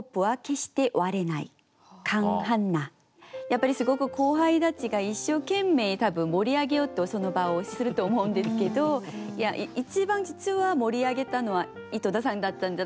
やっぱりすごく後輩たちが一生懸命多分盛り上げようとその場をすると思うんですけど一番実は盛り上げたのは井戸田さんだったんじゃないかなと思っていて。